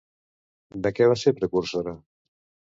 De què va ser precursora?